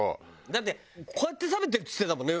だってこうやって食べてるっつってたもんね